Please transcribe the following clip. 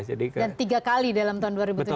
dan tiga kali dalam tahun dua ribu tujuh belas